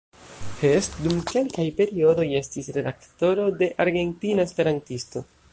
Hess dum kelkaj periodoj estis redaktoro de "Argentina esperantisto.